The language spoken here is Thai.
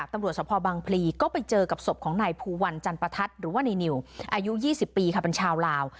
ตำรวจสภบางพลีก็ไปเจอกับศพของนายภูวัลจันปทัศน์หรือว่าในนิวอายุ๒๐ปีค่ะเป็นชาวลาว